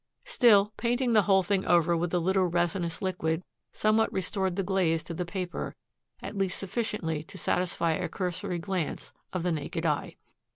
Still, painting the whole thing over with a little resinous liquid somewhat restored the glaze to the paper, at least sufficiently to satisfy a cursory glance of the naked eye.